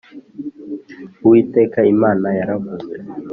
Uwiteka Imana yaravuze